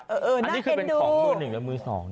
อันนี้คือเป็นของมือหนึ่งและมือ๒